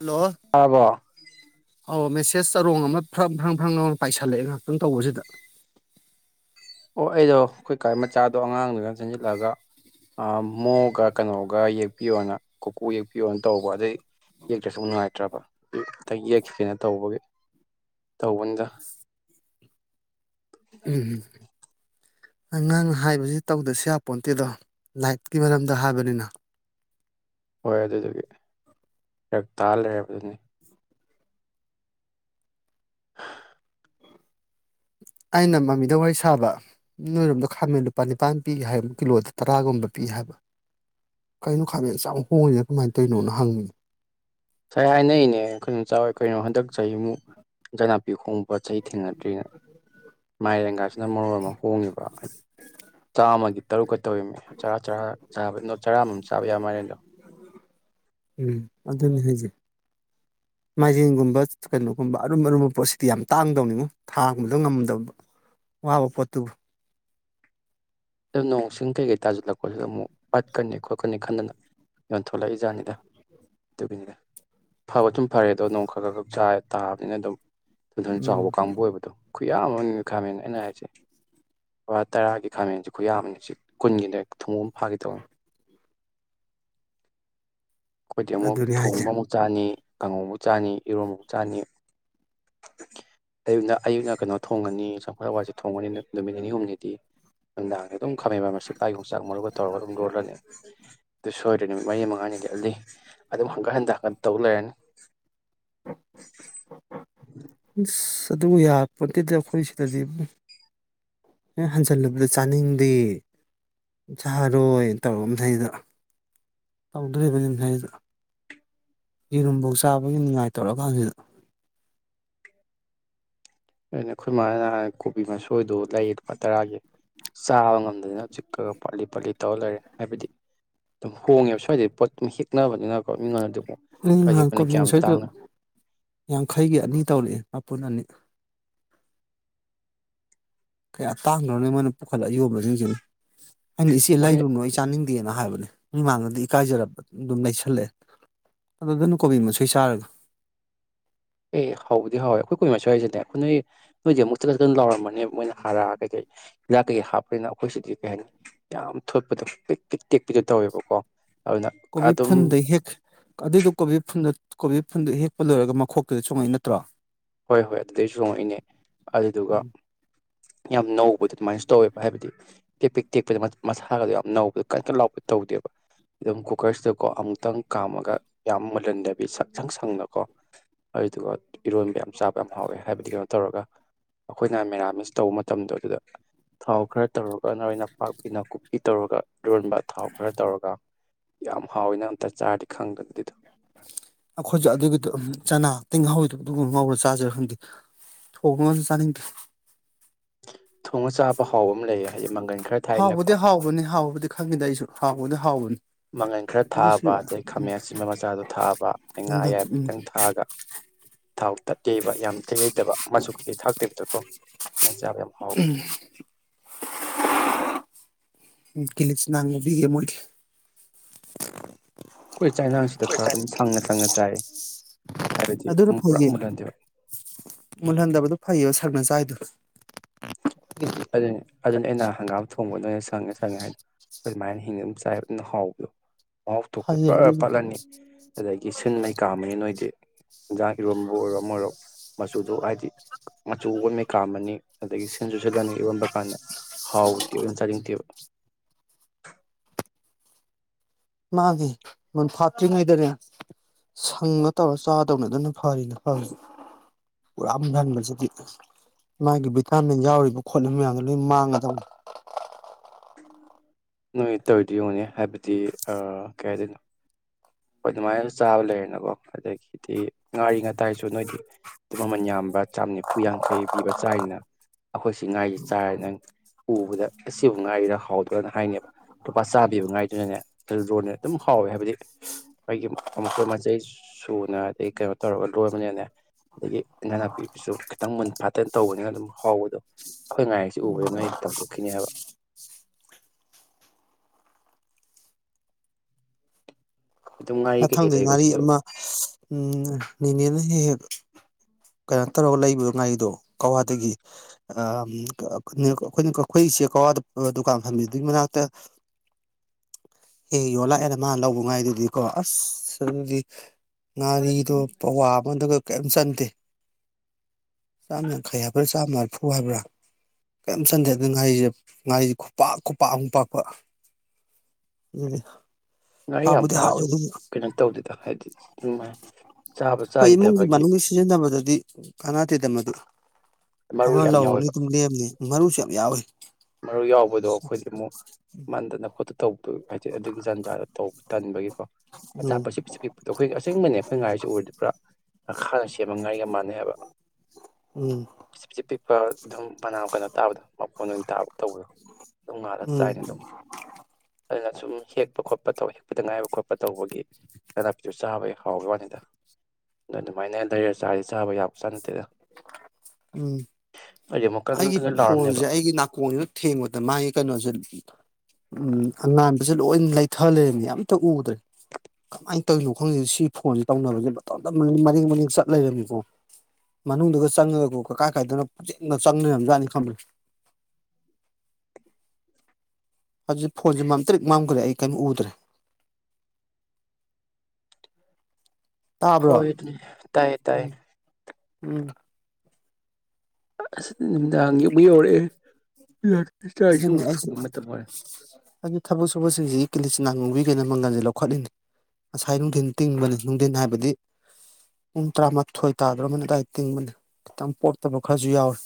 Hello ꯑꯕꯣ ꯑꯧ message ꯆꯔꯣꯡ ꯑꯃ ꯐ꯭ꯔꯪ ꯐ꯭ꯔꯪ ꯐꯪ ꯄꯥꯏꯁꯤꯜꯂꯛꯑꯦ ꯉꯍꯥꯛꯇꯪ ꯇꯧꯕꯁꯤꯗ ꯑꯣ ꯑꯩꯗꯣ ꯑꯩꯈꯣꯏꯀ ꯃꯆꯥꯗꯣ ꯑꯉꯥꯡꯗꯨꯅ ꯆꯦꯟꯖꯤꯜꯂꯒ ꯃꯣꯒ ꯀꯩꯅꯣꯒ ꯌꯦꯛꯄꯤꯌꯣꯅ ꯀꯨꯀꯨ ꯌꯦꯛꯄꯤꯌꯣꯅ ꯇꯧꯕ ꯑꯗꯩ ꯌꯦꯛꯇ꯭ꯔꯁꯨ ꯅꯨꯡꯉꯥꯏꯇ꯭ꯔꯕ ꯑ ꯌꯦꯛꯈꯤꯒꯦꯅ ꯇꯧꯕꯒꯤ ꯇꯧꯕꯅꯤꯗ ꯎꯝ ꯉꯥꯡ ꯍꯥꯏꯕꯁꯤ ꯇꯧꯗꯁ ꯌꯥ ꯄꯣꯟꯠꯇꯦꯗꯣ ꯂꯥꯏꯠꯀꯤ ꯃꯔꯝꯗ ꯍꯥꯏꯕꯅꯤꯅ ꯍꯣꯏ ꯑꯗꯨꯗꯨꯒꯤ ꯍ ꯇꯥꯍꯜꯂꯦꯕ ꯑꯗꯨꯅꯤ [inaudible] ꯑꯩꯅ ꯃꯃꯤꯗ ꯋꯥꯔꯤ ꯁꯥꯕ ꯅꯣꯏꯔꯣꯝꯗ ꯈꯥꯃꯦꯟ ꯂꯨꯄꯥ ꯅꯤꯄꯥꯥꯟ ꯄꯤꯒ ꯍꯥꯏꯕ ꯀꯤꯂꯣꯗ ꯇꯔꯥꯒꯨꯝꯕ ꯄꯤ ꯍꯥꯏꯕ ꯀꯩꯅꯣ ꯈꯥꯃꯦꯟꯁꯦ ꯌꯥꯝ ꯍꯣꯡꯉꯤꯅ ꯀꯃꯥꯏꯅ ꯇꯧꯔꯤꯅꯣꯅ ꯍꯪꯉꯅꯦ ꯁꯥꯏ ꯍꯥꯏꯅꯩꯅꯦ ꯑꯩꯈꯣꯏꯩꯅ ꯆꯥꯎꯋꯦ ꯀꯩꯅꯣ ꯍꯟꯗꯛ ꯆꯍꯤ ꯑꯃꯨꯛ ꯑꯦꯟꯖꯥꯡ ꯖꯅꯥꯄꯤ ꯈꯣꯡꯕ ꯄꯣꯠ ꯆꯩ ꯊꯦꯡꯅꯗ꯭ꯔꯤꯅ ꯃꯥꯏꯔꯦꯡꯒꯥꯁꯤꯅ ꯃꯔꯣꯟ ꯑꯃ ꯍꯣꯡꯉꯤꯕ ꯍꯥꯏꯗꯤ ꯆꯥꯝꯃꯒꯤ ꯇꯔꯨꯛꯀꯥ ꯇꯧ ꯆꯔꯥꯔꯥ ꯆ ꯆꯔꯥꯃꯝ ꯆꯥꯕ ꯌꯥ ꯃꯥꯜꯂꯦꯗꯣ ꯎꯝ ꯑꯗꯨꯅꯤ ꯍꯥꯏꯁꯦ ꯃꯥꯏꯖꯦꯟꯒꯨꯝꯕ ꯀꯩꯅꯣꯒꯨꯝꯕ ꯑꯔꯨꯝꯕ ꯑꯔꯨꯝꯕ ꯄꯣꯠꯁꯤꯗꯤ ꯌꯥꯝ ꯇꯥꯡꯗꯧꯅꯤꯉꯣ ꯊꯥꯒꯨꯝꯕꯗ ꯉꯝꯗꯕ ꯋꯥꯕ ꯄꯣꯠꯇꯨꯕꯨ ꯑꯣ ꯅꯣꯡꯁꯤꯡ ꯀꯩꯀꯩ ꯇꯥꯁꯤꯜꯂꯛꯄꯁꯤꯗ ꯑꯃꯨꯛ ꯄꯠꯀꯅꯤ ꯈꯣꯠꯀꯅꯤ ꯈꯟꯗꯅ ꯌꯉꯣꯟ ꯊꯣꯛꯂꯛꯏꯖꯥꯠꯅꯤꯗ ꯑꯗꯨꯒꯤꯅꯤꯗ ꯐꯕ ꯁꯨꯝ ꯐꯔꯦ ꯑꯗꯣ ꯅꯣꯡ ꯈꯔ ꯈꯔ ꯈꯛ ꯆꯥ ꯇꯥꯕꯅꯤꯅ ꯑꯗꯨꯝ ꯊ ꯊꯅ ꯆꯥꯎꯕ ꯎꯝ ꯀꯥꯡꯕꯨ ꯑꯣꯏꯕꯗꯣ ꯈꯨꯌꯥ ꯑꯃ ꯈꯥꯃꯦꯟ ꯑꯩꯅ ꯍꯥꯏꯁꯦ ꯂꯄꯥ ꯇꯔꯥꯒꯤ ꯈꯥꯃꯦꯟꯁꯦ ꯑꯩꯈꯣꯏ ꯌꯥꯝꯕꯅꯦ ꯆ ꯀꯨꯟꯒꯤꯅꯦ ꯊꯨꯝꯃꯎ ꯑꯃ ꯐꯥꯈꯤ ꯇꯧꯕ ꯑꯩꯈꯣꯏꯗꯤ ꯑꯃꯨꯛ ꯑꯗꯨꯅꯤ ꯍꯥꯏꯁꯦ ꯊꯣꯡꯕ ꯑꯃꯨꯛ ꯆꯥꯅꯤ ꯀꯥꯡꯉꯕꯨ ꯆꯥꯅꯤ ꯏꯔꯣꯟꯕꯨ ꯆꯥꯅꯤ ꯑꯌꯨꯛ ꯑꯌꯨꯛꯅ ꯀꯩꯅꯣ ꯊꯣꯡꯉꯅꯤ ꯆꯝꯈꯠꯂ ꯋꯥꯁꯦ ꯊꯣꯡꯉꯅꯤ ꯅꯨꯃꯤꯠ ꯅꯤꯅꯤ ꯍꯨꯝꯅꯤꯗꯤ ꯅꯨꯡꯗꯥꯡꯁ ꯑꯗꯨꯝ ꯈꯝꯕ ꯃꯀꯥ ꯌꯣꯡꯆꯥꯛ ꯃꯔꯨꯒ ꯇꯧꯔꯒ ꯑꯗꯨꯝ ꯂꯣꯜꯂꯅꯤ ꯑꯗꯨ ꯁꯣꯏꯗ꯭ꯔꯦ ꯅꯨꯃꯤꯠ ꯃꯔꯤ ꯃꯉꯥꯅꯤꯗꯤ ꯑꯗꯨꯜꯂꯤ ꯑꯗꯨꯝ ꯍꯟꯀꯠ ꯍꯟꯗ ꯍꯟꯀꯠ ꯇꯧ ꯂꯩꯔꯅꯤ [inaudible] ꯑꯗꯨꯕꯨ ꯌꯥꯄꯣꯠꯇꯗꯤ ꯑꯩꯈꯣꯏ ꯁꯤꯗꯗꯤ ꯑꯦ ꯍꯟꯖꯜꯂꯨꯕꯗ ꯆꯥꯅꯤꯡꯗꯦ ꯁꯥꯔꯔꯣꯏꯅ ꯇꯧꯔꯒ ꯃꯗ ꯇꯧꯗꯣꯔꯤꯕꯅꯤ ꯃꯗ ꯌꯦꯔꯨꯝꯐꯧ ꯆꯥꯕꯒꯤ ꯅꯨꯡꯉꯥꯏ ꯇꯧꯔꯛꯀꯥꯟꯁꯤꯗ ꯑꯦꯅꯈꯣꯏ ꯃꯥꯥꯏ ꯀꯣꯕꯤ ꯃꯥꯁꯣꯏ ꯁꯣꯏꯗꯣ ꯂꯩꯌꯦ ꯂꯨꯄꯥ ꯇꯔꯥꯒꯤ ꯆꯥꯕ ꯉꯝꯗꯗꯅ ꯆ ꯎꯆꯤꯛꯀꯒ ꯄꯥꯠꯂꯤ ꯄꯥꯠꯂꯤ ꯇꯧꯔ ꯂꯩꯔꯦ ꯍꯥꯏꯕꯗꯤ ꯑꯗꯨꯝ ꯍꯣꯡꯉꯦꯕ ꯁ꯭ꯋꯥꯏꯗꯩ ꯄꯣꯠ ꯑꯗꯨꯝ ꯍꯦꯛꯛꯅꯕꯅꯤꯅꯀꯣ ꯃꯤꯉꯣꯟꯗ ꯑꯗꯨꯝ ꯏꯪ ꯅꯍꯥꯟ ꯀꯣꯕꯤꯁꯣꯏꯗꯨ ꯌꯥꯡꯈꯩꯒꯤ ꯑꯅꯤ ꯇꯧꯔꯛꯑꯦ ꯃꯄꯨꯟ ꯑꯅꯤ ꯀꯌꯥ ꯇꯥꯡꯈ꯭ꯔꯣꯅ ꯃꯣꯏꯅ ꯄꯨꯈꯠꯂꯒ ꯌꯣꯟꯕꯁꯤꯡꯁꯤꯅ ꯑꯩꯅ ꯏꯆꯦ ꯃꯣꯏꯅ ꯂꯩꯔꯨꯅꯨ ꯑꯩ ꯆꯥꯅꯤꯡꯗꯦꯅ ꯍꯥꯏꯕꯅꯦ ꯃꯤꯃꯥꯡꯗꯗꯤ ꯏꯀꯥꯏꯖꯄ ꯑꯗꯨꯝ ꯂꯩꯁꯜꯂꯛꯑꯦ ꯑꯗꯨꯗꯅ ꯀꯣꯕꯤ ꯃꯁꯣꯏ ꯆꯥꯔꯒ ꯑꯦ ꯍꯥꯎꯕꯨꯗꯤ ꯍꯥꯎꯋꯦ ꯑꯩꯈꯣꯏ ꯀꯨꯏ ꯃꯥꯏꯁꯨ ꯍꯥꯏꯏꯁꯤꯅꯦ ꯑꯩꯈꯣꯏ ꯅꯣꯏ ꯅꯣꯏꯗꯤ ꯑꯃꯨꯛ ꯆꯠ ꯆ ꯆꯅ ꯂꯥꯎꯔꯝꯕꯅꯦ ꯃꯣꯏꯅ ꯍꯥꯔꯛꯑꯒꯩꯀꯩ ꯍꯤꯗꯥꯛ ꯀꯩꯀꯩ ꯍꯥꯞꯄꯅꯤꯅ ꯑꯩꯈꯣꯏꯁꯤꯗꯤ ꯀꯩ ꯍꯥꯏꯅꯤ ꯌꯥꯝ ꯊꯣꯠꯄꯗꯣ ꯄꯤꯛ ꯄꯤꯛ ꯇꯦꯛꯄꯤꯗꯣ ꯇꯧꯋꯦꯕꯀꯣ ꯑꯗꯨꯅ ꯀꯣꯕꯤ ꯑꯗꯨꯝ ꯐꯨꯟꯗꯩ ꯍꯦꯛ ꯑꯗꯨꯏꯗꯨ ꯀꯣꯕꯤ ꯐꯨꯗ ꯀꯣꯕꯤ ꯐꯨꯟꯗꯨ ꯍꯦꯛꯄ ꯂꯣꯏꯔꯒ ꯃꯈꯣꯛꯀꯤꯗ ꯆꯣꯡꯉꯛꯏ ꯅꯠꯇ꯭ꯔꯣ ꯍꯣꯏ ꯍꯣꯏ ꯑꯗꯨꯗꯩ ꯁꯣꯡꯉꯛꯏꯅꯦ ꯑꯗꯨꯗꯨꯒ ꯌꯥꯝ ꯅꯧꯕꯗꯣ ꯑꯗꯨꯃꯥꯏꯁꯨ ꯇꯧꯋꯦꯕ ꯍꯥꯏꯕꯗꯤ ꯇꯦꯛ ꯄꯦꯛ ꯇꯦꯛꯄꯗ ꯃꯁꯥꯒꯗꯣ ꯌꯥꯝ ꯅꯧꯕꯗ ꯀꯟꯅ ꯀꯟꯅ ꯂꯥꯎꯕ ꯇꯧꯗꯦꯕ ꯑꯗꯨꯝ ꯀꯨꯀꯔꯁꯤꯗꯀꯣ ꯑꯃꯨꯛꯇꯪ ꯀꯥꯝꯃꯒ ꯌꯥꯝ ꯃꯨꯜꯍꯟꯗꯕꯤ ꯁꯛ ꯁꯪ ꯁꯪꯅꯀꯣ ꯑꯗꯨꯗꯨꯒ ꯏꯔꯣꯟꯕ ꯌꯥꯝ ꯆꯥꯕ ꯌꯥꯝ ꯍꯥꯎꯋꯦ ꯍꯥꯏꯕꯗꯤ ꯀꯩꯅꯣ ꯇꯧꯔꯒ ꯑꯩꯈꯣꯏꯅ ꯃꯦꯔꯥꯃꯤꯁ ꯇꯧꯕ ꯃꯇꯝꯗꯣ ꯑꯗꯨꯗ ꯊꯥꯎ ꯈꯔ ꯇꯧꯔꯒ ꯅꯣꯏ ꯅꯄꯥꯛꯄꯤ ꯅꯥꯀꯨꯞꯄꯤ ꯇꯧꯔꯒ ꯂꯣꯟꯕ ꯊꯥꯎ ꯈꯔ ꯇꯧꯔꯒ ꯌꯥꯝ ꯍꯥꯎꯋꯤꯅ ꯑꯝꯇ ꯆꯥꯗꯤ ꯈꯪꯗ ꯑꯗꯨꯗꯣ ꯑꯩꯈꯣꯏꯁꯨ ꯑꯗꯨꯒꯤ ꯆꯅꯥ ꯑ ꯇꯤꯡ ꯉꯍꯥꯎꯗ ꯑꯗꯨꯒꯕ ꯉꯥꯎꯔ ꯆꯥꯖꯔ ꯈꯪꯗꯦ ꯊꯣꯡ ꯉꯁꯨ ꯆꯥꯅꯤꯡꯗꯦ ꯊꯣꯡꯉ ꯆꯥꯕ ꯍꯥꯎꯕ ꯑꯃ ꯂꯩꯌꯦ ꯍꯥꯏꯗꯤ ꯃꯪꯒꯟ ꯈꯔ ꯊꯥꯏꯅꯀꯣ ꯍꯥꯎꯕꯗꯤ ꯍꯥꯎꯕꯅꯤ ꯍꯥꯎꯕꯗꯤ ꯈꯪꯉꯤꯗ ꯑꯩꯁꯨ ꯍꯥꯎꯕꯅ ꯍꯥꯎꯕꯅꯤ ꯃꯉꯟ ꯈꯔ ꯊꯥꯕ ꯑꯗꯨꯁꯨ ꯑꯗꯩ ꯈꯥꯃꯦꯟ ꯑꯁꯤꯤꯟꯕ ꯃꯆꯥꯗꯨ ꯊꯥꯕ ꯑꯩ ꯉꯥ ꯃꯪꯒꯟ ꯑꯌꯥꯏꯕ ꯎꯝ ꯈꯤꯇꯪ ꯊꯥꯒ ꯊꯥꯎ ꯇ ꯌꯩꯕ ꯌꯥꯝ ꯇꯩꯍꯩꯇꯕ ꯃꯆ ꯀꯩꯀꯩ ꯊꯥꯛ ꯇꯩꯕꯗꯀꯣ ꯑꯥꯏ ꯆꯥꯕ ꯌꯥꯝ ꯍꯥꯎꯋꯤ ꯀꯦꯂꯤ ꯅꯉꯕꯤꯦ ꯃꯣꯏꯗꯤ ꯑꯩꯈꯣꯏ ꯆꯥꯏꯅꯥꯡꯁꯤꯗ ꯈꯔ ꯑꯗꯨꯝ ꯁꯪꯉ ꯁꯪꯅ ꯆꯥꯏ ꯍꯥꯏꯕꯗꯤ ꯑꯗꯨꯅ ꯃꯨ- ꯄꯨꯔꯥ ꯐꯩꯌꯦ ꯃꯨꯜꯍꯟꯗꯦꯕ ꯃꯨꯜꯍꯟꯗꯕꯗꯨꯣ ꯐꯩꯌꯦꯕ ꯁꯛꯅꯆꯥꯥꯏꯗꯣ ꯑꯗꯨ ꯑꯗꯨꯅ ꯑꯩꯅ ꯍꯪꯒꯥꯝ ꯊꯣꯡꯕꯗ ꯑꯣꯏꯅ ꯆꯪꯉꯦ ꯆꯪꯉꯦ ꯍꯥꯏꯗ ꯑꯗꯨꯃꯥꯏꯅ ꯍꯤꯡꯉ ꯆꯥꯏ ꯑꯗꯨꯅ ꯍꯥꯎꯕꯗꯣ ꯃꯍꯥꯎ ꯊꯣꯛꯄ ꯐꯩꯌꯦꯕ ꯄꯨꯔꯥ ꯑꯗꯨꯅ ꯄꯥꯠꯂꯅꯤ ꯑꯗꯒꯤ ꯁꯤꯟ ꯃꯩ ꯀꯥꯃ ꯅꯣꯏꯗꯤ ꯌꯦꯟꯖꯥꯡ ꯏꯔꯣꯕꯨ ꯑꯣꯏꯔꯣ ꯑꯣꯏꯔꯣ ꯃꯆꯨꯗꯣ ꯍꯥꯏꯗꯤ ꯃꯆꯨ ꯑꯣꯏ ꯃꯩꯀꯥꯝ ꯑꯃꯅꯤ ꯑꯗꯒꯤ ꯁꯦꯟꯖꯨ ꯁꯗꯥꯅꯤ ꯌꯎꯔꯝꯕ ꯀꯥꯟꯗ ꯍꯥꯎ ꯇꯦꯅ ꯆꯥꯅꯤꯡꯗꯦꯕ ꯃꯥꯒꯤ ꯃꯟꯐꯥꯠꯇ꯭ꯔꯤꯉꯩꯗꯅꯦ ꯁꯪꯒ ꯇꯧꯔ ꯆꯥꯗꯧꯅ ꯑꯗꯨꯅ ꯐꯔꯤꯅ ꯐꯁ ꯄꯨꯔꯥ ꯍꯟꯕꯁꯤꯗꯤ ꯃꯥꯒꯤ ꯚꯤꯇꯥꯃꯤꯟ ꯌꯥꯎꯔꯤꯕ ꯈꯣꯠꯂꯤꯕ ꯃꯌꯥꯝꯗꯨꯣ ꯂꯣꯏ ꯃꯥꯡꯒꯗꯧꯅꯤ ꯅꯣꯏ ꯇꯧꯔꯗꯤ ꯌꯣꯟꯅꯤ ꯍꯥꯏꯕꯗꯤ ꯀꯩꯗꯣꯏꯅꯣ ꯑꯗꯨꯃꯥꯏꯅ ꯆꯥꯕ ꯂꯩꯔꯦꯅꯀꯣ ꯑꯗꯒꯤꯗꯤ ꯉꯥꯔꯤ ꯉꯥꯇꯥꯏꯁꯨ ꯅꯣꯏꯗꯤ ꯑꯗꯨꯝ ꯃꯃꯟ ꯌꯥꯝꯕ ꯆꯥꯝ ꯅꯤꯐꯨ ꯌꯥꯡꯈꯩ ꯄꯤꯕ ꯆꯥꯏꯔꯤꯅ ꯑꯩꯈꯣꯏꯁꯤ ꯉꯥꯔꯤꯁꯤ ꯆꯥꯏꯔꯦꯅ ꯎꯕꯗ ꯑꯁꯤꯕꯨ ꯉꯥꯔꯤꯗ ꯍꯥꯎꯗ꯭ꯔꯅ ꯍꯥꯏꯅꯦꯕ ꯂꯨꯄꯥ ꯆꯥꯕꯤꯤꯕ ꯉꯥꯏꯗꯨꯅꯅꯦ ꯑꯗꯨ ꯔꯣꯟꯅꯦ ꯑꯗꯨꯝ ꯍꯥꯎꯋꯦ ꯍꯥꯏꯕꯗꯤ ꯑꯩꯣꯏꯒꯤ ꯑꯃꯨꯛꯣꯏ ꯃꯆꯩ ꯁꯨꯅ ꯑꯗꯩ ꯀꯩꯅꯣ ꯇꯧꯔꯒ ꯂꯣꯟꯕꯅꯤꯅꯦ ꯑꯗꯒꯤ ꯏꯟꯅꯥ ꯅꯥꯄꯤꯒꯤꯁꯨ ꯈꯤꯇꯪ ꯃꯨꯟ ꯐꯥꯠꯇꯅ ꯇꯧꯕꯅꯤꯅ ꯑꯗꯨꯝ ꯍꯥꯎꯕꯗꯣ ꯑꯩꯈꯣꯏ ꯉꯥꯏꯔꯤꯁꯤ ꯎꯕꯗꯨ ꯅ ꯑꯩ ꯇꯧꯊꯣꯛꯈꯤꯅꯦ ꯍꯥꯏꯕ ꯑꯗꯨꯝ ꯉꯥꯔꯤ ꯀꯩꯀꯩ ꯃꯊꯪꯗꯩ ꯉꯥꯔꯤ ꯂꯩꯕꯁꯤꯁꯨ ꯑꯃ ꯎꯝ ꯅꯦꯅꯦꯅ ꯍꯦꯛ ꯍꯦꯛ ꯀꯩꯅꯣ ꯇꯧꯔꯒ ꯂꯩꯕ ꯉꯥꯔꯤꯗꯣ ꯀꯋꯥꯗꯒꯤ ꯑꯩꯈꯣꯏꯅ ꯑꯩꯈꯣꯏ ꯏꯆꯦ ꯀꯋꯥꯗ ꯗꯨꯀꯥꯟ ꯐꯝꯃꯤꯗꯨꯒꯤ ꯃꯅꯥꯛꯇ ꯍꯦꯛ ꯌꯣꯜꯂꯥꯛꯑꯦꯅ ꯃꯥꯅ ꯂꯧꯕ ꯉꯥꯏꯔꯤꯗꯨꯗꯤ ꯀꯣ ꯑꯁ ꯑꯗꯨꯗꯤ ꯉꯗꯤꯗꯨ ꯄ ꯋꯥ ꯑꯩꯉꯣꯟꯗꯨ ꯀꯔꯤꯝ ꯆꯟꯗꯦ ꯆꯥꯝ ꯌꯥꯡꯈꯩ ꯍꯥꯏꯕ꯭ꯔꯥ ꯆꯥꯝꯃ ꯃꯔꯤꯐꯨ ꯍꯥꯏꯕ꯭ꯔꯥ ꯀꯔꯤꯝ ꯆꯟꯗꯦ ꯑꯗꯨ ꯉꯥꯔꯤꯁꯦ ꯉꯥꯔꯤꯁꯦ ꯈꯨꯄꯥꯛ ꯈꯨꯄꯥꯛ ꯑꯃꯨꯛꯄꯥꯛꯥꯛꯄ ꯑꯗꯨꯗꯤ ꯉꯥꯏ ꯌꯥꯝ ꯍꯥꯎꯕꯨꯗꯤ ꯍꯥꯎꯋꯤ ꯄꯥꯁꯨ ꯑꯗꯨꯝ ꯀꯩꯅꯣ ꯇꯧꯗꯗ ꯍꯥꯏꯗꯤ ꯁꯥꯏ ꯆꯥꯕ ꯑꯩꯈꯣꯏ ꯏꯃꯨꯡꯒꯤ ꯆꯥꯈꯤꯗꯕꯒꯤ ꯃꯅꯨꯡꯒꯤ ꯁꯤꯖꯤꯟꯅꯕꯗꯗꯤ ꯀꯥꯟꯅꯗꯦꯗ [unintelligible] ꯃꯔꯨ ꯑꯃ ꯌꯥꯝ ꯂꯧꯔꯅꯤ ꯌꯥꯎꯋꯦꯕ ꯑꯗꯨꯝ ꯂꯦꯝꯅꯦ ꯃꯔꯨꯁꯨ ꯌꯥꯝ ꯌꯥꯎꯋꯦ ꯃꯔꯨ ꯌꯥꯎꯕꯗꯣ ꯇꯧꯕ ꯍꯥꯏꯗꯤ ꯑꯗꯨꯒꯤ ꯖꯟꯖꯥꯔꯗꯧꯕ ꯇꯟꯕꯒꯤ ꯎꯝ ꯑꯆꯥꯄꯠꯁꯤꯦ ꯄꯤ ꯄꯤꯛꯄꯗꯣ ꯑꯩꯈꯣꯏ ꯑꯁꯦꯡꯕꯅꯦ ꯑꯩꯈꯣꯏ ꯉꯥꯔꯤꯁꯦ ꯎꯔꯗꯤ ꯄꯨꯔꯥ ꯈꯥꯅ ꯁꯦꯝꯃ ꯉꯥꯔꯤꯒ ꯃꯥꯟꯅꯩ ꯍꯥꯏꯕ ꯎꯝ ꯑ ꯄꯤꯛꯄ ꯑꯗꯨꯝ ꯃꯅꯥ ꯀꯅꯥ ꯇꯥꯕꯗꯣ ꯃꯐꯣꯟ ꯑꯣꯏꯅ ꯇꯥꯕ ꯇꯧꯕꯗꯣ ꯑꯗꯨꯝ ꯉꯥꯂꯒ ꯎꯝ ꯆꯥꯏꯅ ꯑꯗꯨꯝ ꯑꯗꯨꯅ ꯁꯨꯝ ꯍꯦꯛꯄ ꯈꯣꯠꯄ ꯇꯧꯕ ꯍꯦꯛꯄꯗ ꯉꯥꯏꯕ ꯈꯣꯠꯄ ꯇꯧꯕꯒꯤ ꯀ ꯅꯥꯄꯤꯗꯨ ꯆꯥꯕꯒꯤ ꯍꯥꯎꯈꯤꯕ ꯋꯥꯅꯤꯗ ꯑꯗ ꯑꯗꯨꯃꯥꯏꯅ ꯂꯩꯔ ꯆꯥꯔꯤ ꯆꯥꯕ ꯌꯥ ꯆꯥ ꯎꯝ ꯑꯩꯗꯤ ꯑꯃꯨꯛ ꯀꯟ ꯀꯟ ꯑꯩꯒꯤ ꯀꯟ ꯀꯟ ꯂꯥꯎꯔꯝꯅꯦꯕ ꯐꯣꯟꯁꯦ ꯑꯩꯒꯤ ꯅꯥꯀꯣꯡꯁꯤꯁꯨ ꯊꯦꯡꯕꯗ ꯃꯥꯒꯤ ꯀꯩꯅꯣꯁꯦ ꯎꯝ ꯑꯉꯟꯥꯟꯕꯁꯦ ꯂꯣꯏ ꯂꯩꯊꯂꯩꯔꯝꯃꯦ ꯑꯝꯇ ꯎꯗ꯭ꯔꯦ ꯀꯃꯥꯏ ꯇꯧꯏꯅꯣ ꯈꯪꯗꯦ ꯁꯤ ꯐꯣꯟꯁꯦ ꯇꯧꯅꯕꯁꯦ ꯃꯇꯣꯝꯇ ꯃꯔꯦꯡ ꯃꯔꯦꯡ ꯆꯠ ꯂꯩꯔꯝꯃꯤꯀꯣ ꯃꯅꯨꯡꯗꯒ ꯆꯪꯉꯒꯀꯣ ꯀꯥꯀꯥꯏ ꯀꯥꯏꯗꯅꯣ ꯐꯨꯖꯤꯟꯅ ꯆꯪꯂꯩꯔꯝꯖꯠꯅꯦ ꯈꯪꯕ꯭ꯔ ꯑꯗꯨ ꯐꯣꯟꯁꯦ ꯃꯝꯇ꯭ꯔꯤꯛ ꯃꯝꯈ꯭ꯔꯦ ꯑꯩ ꯀꯦꯝ ꯎꯗ꯭ꯔꯦ ꯇꯥꯕ꯭ꯔꯣ ꯍꯣꯏ ꯗꯨꯅꯤ ꯇꯥꯏꯌꯦ ꯇꯥꯏꯌꯦ ꯎꯝ ꯎꯝ ꯑꯁ ꯅꯨꯃꯤꯗꯥꯡ ꯑꯃꯨꯛ ꯌꯧꯔꯛꯑꯦ [unintelligible] ꯑꯗꯨꯅꯤ ꯏꯁꯤꯡ ꯑꯩꯁꯤ ꯊꯣꯡꯕ ꯃꯇꯝ ꯑꯣꯏꯔꯦ ꯑꯩꯒꯤ ꯊꯕꯛ ꯁꯨꯕꯁꯤꯡꯁꯤꯒꯤ ꯀꯤꯂꯤꯆꯅꯥꯉꯧꯒꯤ ꯒꯦꯅ ꯃꯪꯒꯜꯁꯦ ꯂꯧꯈꯠꯂꯤꯅꯤ, ꯉꯁꯥꯏ ꯅꯨꯡꯊꯤꯟ ꯇꯤꯡꯕꯅꯤ ꯅꯨꯡꯊꯤꯟ ꯍꯥꯏꯕꯗꯤ ꯄꯨꯡ ꯇꯔꯥꯃꯥꯊꯣꯏ ꯇꯥꯗ꯭ꯔꯣꯑꯝꯃꯅꯤ ꯑꯗꯨꯋꯥꯏꯗ ꯇꯤꯡꯕꯅꯤ ꯈꯤꯇꯪ ꯄꯣꯛꯇꯕ ꯈꯔꯁꯨ ꯌꯥꯎꯔꯦ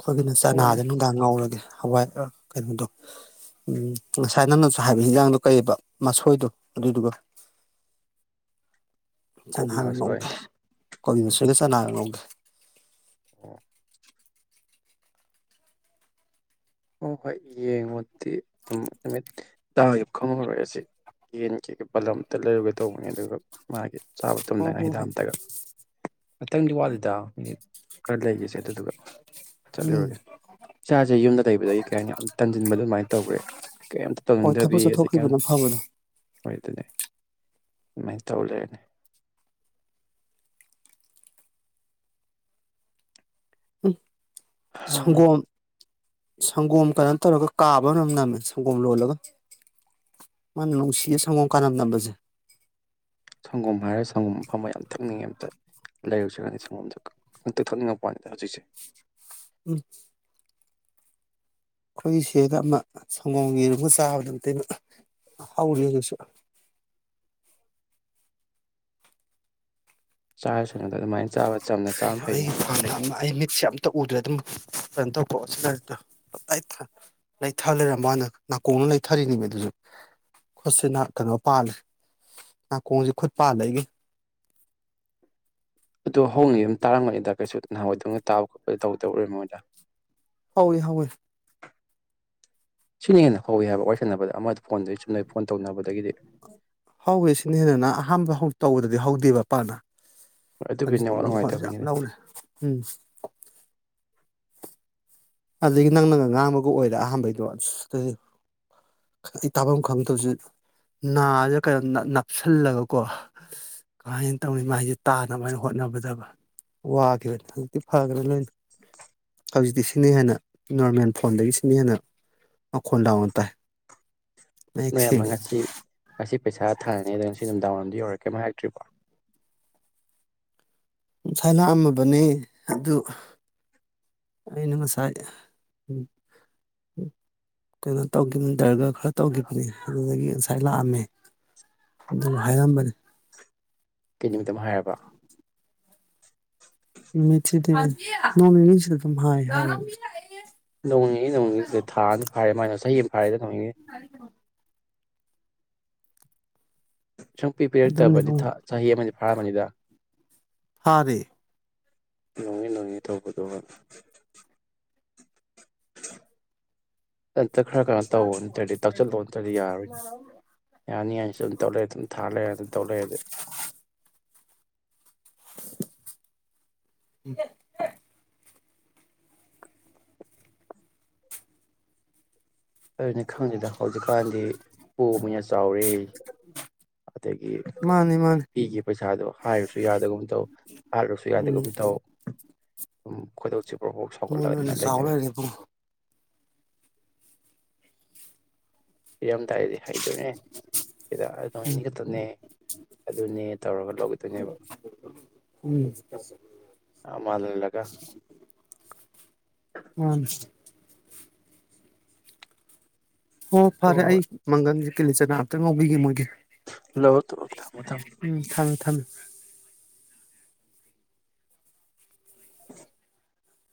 ꯈꯣꯏꯒꯤꯅ ꯍꯣꯏ ꯆꯅꯥꯗꯣ ꯅꯨꯡꯗꯥꯡ ꯉꯧꯔꯒꯦ ꯍꯋꯥꯏꯔ ꯀꯩꯅꯣꯗꯣ ꯎꯝ ꯉꯁꯥꯏ ꯅꯪꯅꯁꯨ ꯍꯥꯏꯕ ꯍꯤꯟꯖꯥꯡꯗꯣ ꯀꯩꯕ ꯃꯁꯣꯏꯗꯣ ꯑꯗꯨꯏꯗꯨꯒ ꯀꯣꯕꯤ ꯆꯅꯥꯒ ꯃꯁꯣꯏ ꯉꯧꯒꯦ ꯀꯣꯕꯤ ꯃꯥꯁꯣꯏꯒ ꯆꯅꯥꯒ ꯉꯧꯒꯦ ꯑꯣ ꯍꯣ ꯍꯣꯏ ꯌꯦꯡꯉꯣꯗꯤ ꯑꯗꯨꯝ ꯅꯨꯃꯤꯠ ꯇꯥꯈꯤꯕ ꯈꯪꯍꯧꯔꯣꯏ ꯑꯁꯤ ꯌꯦꯟꯒꯤ ꯕꯥꯂꯞ ꯑꯝꯇꯥ ꯂꯩꯔꯨꯒꯦ ꯇꯧꯕꯅꯦ ꯑꯗꯨꯒ ꯃꯥꯒꯤ ꯆꯥꯕ ꯍꯣꯏ ꯇꯨꯝꯅꯉꯥꯏ ꯍꯣꯏ ꯍꯤꯗꯥꯛ ꯍꯣꯏ ꯑꯝꯇꯒ ꯉꯇꯪꯗꯤ ꯋꯥꯠꯂꯤꯗ ꯃꯤꯅꯤꯠ ꯈꯔ ꯂꯩꯈꯤꯁꯦ ꯑꯗꯨꯗꯨꯒ ꯎꯝ ꯆꯠꯂꯨꯔꯒꯦ ꯏꯆꯥꯁꯦ ꯌꯨꯝꯗ ꯗꯨꯗꯩꯀꯩ ꯍꯥꯏꯅꯤ ꯌꯥꯝ ꯇꯟꯖꯤꯟꯕꯗꯣ ꯑꯗꯨꯃꯥꯏ ꯇꯧꯈ꯭ꯔꯦ ꯀꯩꯝꯇ ꯍꯣꯏ ꯊꯕꯛ ꯇꯧꯅꯤꯡꯗꯕꯤ ꯑꯗꯩ ꯀꯩꯝ ꯆꯠꯊꯣꯛꯈꯤꯕꯅ ꯐꯕꯅꯦ ꯍꯣꯏ ꯑꯗꯨꯅꯦ ꯗꯨꯃꯥꯏ ꯇꯧ ꯂꯩꯔꯦꯅꯦ ꯎꯝ ꯁꯪꯒꯣꯝ ꯁꯪꯒꯣꯝ ꯀꯩꯅꯣ ꯇꯧꯔꯒ ꯀꯥꯕ ꯅꯝ ꯅꯝꯃꯦ ꯁꯪꯒꯣꯝ ꯂꯣꯜꯂꯒ, ꯃꯥꯅꯝ ꯅꯨꯡꯁꯤꯌꯦ ꯁꯪꯒꯣꯝ ꯀꯥꯅꯝ ꯅꯝꯕꯁꯦ꯫ ꯁꯪꯒꯣꯝ ꯍꯥꯏꯔꯒ ꯁꯪꯒꯣꯝ ꯑꯐꯝꯕ ꯌꯥꯝ ꯊꯛꯅꯤꯡꯉꯦ ꯑꯝꯇ ꯂꯩꯔꯛꯁꯤꯔ ꯈꯪꯗꯦ ꯁꯪꯒꯣꯝꯗ ꯍꯦꯛꯇ ꯊꯛꯅꯤꯡꯉꯛꯄ ꯋꯥꯅꯤꯗ ꯍꯧꯖꯤꯛꯁꯦ ꯎꯝ ꯈꯣꯏꯒꯤ ꯁꯦꯗ ꯑꯃ ꯁꯪꯒꯣꯝ ꯌꯦꯔꯕ ꯆꯥꯕꯗ ꯑꯝꯇꯣꯏꯕ ꯍꯧꯔꯦ ꯑꯩꯁꯨ ꯆꯥꯔꯁꯨ ꯀꯩꯅꯣ ꯑꯩꯒꯤ ꯐꯝꯗ ꯑꯃ ꯑꯩ ꯃꯤꯠꯁꯦ ꯑꯝꯇ ꯎꯗ꯭ꯔꯦ ꯑꯗꯨꯝ ꯀꯩꯅꯣ ꯇꯧꯀꯣ ꯑꯣꯁꯤ ꯂꯥꯔꯇꯨ ꯇꯞꯇꯏ ꯊꯟ ꯂꯤꯊꯥ ꯂꯩꯔꯝꯕꯩ ꯋꯅꯤꯗ ꯅꯥꯀꯣꯡꯅ ꯂꯩꯊꯔꯤꯅꯤꯃꯤ ꯑꯗꯨꯁꯨ ꯈꯨꯠꯁꯤꯅ ꯀꯩꯅꯣ ꯄꯥꯜꯂꯦ ꯅꯥꯀꯣꯡꯁꯤ ꯈꯨꯠ ꯄꯥꯜꯂꯦ ꯑꯩꯒꯤ ꯑꯗꯣ ꯍꯧꯅ ꯌꯨꯝ ꯇꯥꯔꯝꯒꯅꯤꯗ ꯀꯩꯁꯨ ꯅꯍꯥꯟꯋꯥꯏꯗꯧꯅ ꯇꯥꯕ ꯈꯣꯠꯄ ꯇꯧꯗꯧꯔꯝ ꯃꯣꯏꯗ꯫ ꯍꯧꯏ ꯍꯧꯏ ꯁꯤꯅ ꯍꯦꯟꯅ ꯍꯧꯏꯤ ꯍꯥꯏꯕ ꯋꯥꯔꯤ ꯁꯟꯅꯕꯗ ꯑꯃꯗꯨ ꯐꯣꯟꯗꯩ ꯆꯨꯝꯅꯩ ꯐꯣꯟ ꯇꯧꯅꯕꯗꯒꯤꯗꯤ ꯍꯧꯋꯦ ꯁꯤꯅ ꯍꯦꯟꯅ ꯑꯍꯥꯟꯕ ꯍꯧ ꯇꯧꯕꯗꯗꯤ ꯍꯧꯗꯦꯕ ꯄꯛꯅ ꯑꯗꯨꯕꯨ ꯍꯧꯖꯤꯛꯇꯤ ꯅꯦꯠꯋꯥꯛ ꯋꯥꯈꯣꯟꯁꯦ ꯌꯥꯝ ꯅꯨꯡꯉꯥꯏꯇꯕꯒꯤꯅꯤꯗ ꯂꯧꯔꯦ ꯎꯝ ꯑꯗꯨꯗꯒꯤ ꯅꯪꯅꯒ ꯉꯥꯡꯕꯒ ꯑꯣꯏꯔꯦ ꯑꯍꯥꯝꯕꯩꯗꯣ ꯑꯁ ꯇꯨꯗꯗꯤ, ꯑꯩ ꯇꯥꯐꯝ ꯈꯪꯗꯕꯁꯤ, ꯅꯥꯁꯦ ꯀꯩꯅꯣ ꯅꯞ ꯅꯞꯁꯤꯜꯂꯒꯀꯣ ꯀꯃꯥꯏꯅ ꯇꯧꯅꯤ ꯃꯁꯦ ꯇꯥꯅꯕ ꯍꯥꯏꯅ ꯍꯣꯠꯅꯕꯗꯕ ꯋꯥꯈꯤꯕꯅꯤ ꯍꯧꯖꯤꯛꯇꯤ ꯐꯈ꯭ꯔꯦ ꯂꯣꯏꯅ꯫ [inaudible] ꯍꯧꯖꯤꯗꯤꯁꯤ ꯁꯤꯅ ꯍꯦꯟꯅ ꯅꯣꯔꯃꯦꯜ ꯐꯣꯟꯗꯒꯤ ꯁꯤꯅ ꯍꯦꯟꯅ ꯃꯈꯣꯟ ꯂꯥꯎꯅ ꯇꯥꯏ꯫ ꯃꯌꯦꯛ ꯅꯣꯏ ꯌꯥꯝꯃ ꯁꯦꯡꯉꯤ ꯉꯁꯤ ꯉꯁꯤ ꯄꯩꯁꯥ ꯊꯥꯔꯅꯤ ꯑꯗꯨꯗꯣ ꯉꯁꯤ ꯃꯤꯗꯥꯡ ꯋꯥꯏꯝ ꯌꯧꯔꯛꯀꯦꯃ ꯍꯥꯏꯛꯇ꯭ꯔꯤꯕꯣ ꯉꯁꯥꯏ ꯂꯥꯛꯑꯝꯃꯕꯅꯤ ꯑꯗꯨ ꯑꯩꯅ ꯉꯁꯥꯏ ꯀꯩꯅꯣ ꯇꯧꯈꯤꯕꯇꯔꯒ ꯈꯔ ꯇꯧꯈꯤꯕꯅꯦ ꯑꯗꯨꯗꯒꯤ ꯉꯁꯥꯏ ꯂꯥꯛꯑꯝꯃꯦ ꯑꯗꯨ ꯍꯥꯏꯔꯝꯕꯅꯤ ꯀꯩ ꯅꯨꯃꯤꯠꯇ ꯑꯃ ꯍꯥꯏꯔꯕ ꯃꯁꯤ ꯊ ꯃꯃꯤꯅꯤꯁ ꯑꯗꯨꯝ ꯍꯥꯏ ꯅꯣꯡꯤꯉꯤ ꯅꯣꯡꯤꯁꯤꯗ ꯊꯥꯅ ꯐꯥꯏꯔꯦ ꯃꯥꯅ ꯆꯍꯤ ꯑꯃ ꯍꯥꯏ ꯍꯥꯏꯔꯤꯝ ꯁꯨꯡꯄꯤ ꯑꯗꯨꯅꯤ ꯄꯤꯔꯛꯇꯕꯗꯤ ꯏꯕꯨꯡꯉꯣ ꯆꯍꯤ ꯑꯃꯗꯤ ꯐꯥꯔꯕꯅꯤꯗ ꯍꯥꯔꯤꯦ ꯅꯣꯡꯉꯤ ꯅꯣꯡꯉꯤ ꯇꯧꯕꯗꯣꯛ ꯑꯝꯇ ꯈꯔ ꯀꯔꯣ ꯇꯧꯕ ꯅꯠꯇ꯭ꯔꯗꯤ ꯇꯧꯁꯤꯜꯂꯣ ꯅꯠꯇ꯭ꯔꯗꯤ ꯌꯥꯔꯣꯏꯅꯦ ꯌꯥꯅꯤ ꯍꯥꯏꯥꯏꯅꯁꯨ ꯑꯗꯨꯝ ꯇꯧꯔꯛꯑꯦ ꯑꯗꯨꯝ ꯊꯥꯜꯂꯑꯦ ꯑꯗꯨꯝ ꯇꯧꯔꯛꯑꯦ ꯑꯗꯨꯗꯤ [inaudible] ꯑꯗꯨꯅ ꯈꯪꯗꯗ ꯍꯧꯖꯤꯛꯀꯥꯟꯗꯤ ꯄꯕꯅ ꯆꯥꯎꯔꯤ ꯑꯗꯒꯤ ꯃꯥꯅꯤ ꯃꯥꯅꯤ ꯄꯤꯈꯤꯕ ꯄꯩꯁꯥꯗꯣ ꯍꯥꯏꯔꯁꯨ ꯌꯥꯗꯒꯨꯝ ꯇꯧ ꯍꯥꯠꯂꯁꯨ ꯎꯝ ꯌꯥꯗꯒꯨꯝ ꯇꯧ ꯎ ꯀꯗ ꯍꯣꯏ ꯅꯣꯏꯅꯦ ꯆꯥꯎ ꯂꯩꯔꯦꯀꯣ ꯏꯔꯝꯗꯥꯏꯔꯗꯤ ꯍꯩꯗꯣꯏꯅꯦ ꯁꯤꯗ ꯑꯗꯨ ꯍꯩꯅꯤꯒꯛꯇꯕꯅꯦ ꯑꯗꯨꯅꯦ ꯇꯧꯔꯒ ꯂꯧꯒꯗꯣꯏꯅꯦꯕ ꯎꯝ ꯎꯝ ꯃꯥꯜꯍꯜꯂꯒ ꯃꯥꯅꯤ ꯍ ꯍꯣꯏ ꯐꯔꯦ ꯑꯏ ꯍꯣꯏ ꯃꯒꯟꯒꯦ ꯀꯦꯂꯤ ꯆꯅꯥꯝꯇ ꯉꯥꯎꯤꯒꯦ ꯃꯣꯏꯒꯤ ꯂꯧꯔꯣ ꯂꯧꯔꯣ ꯊꯝꯃꯣ ꯊꯝꯃꯣ ꯎꯝ ꯊꯃꯦ ꯊꯝꯃꯦ [inaudible]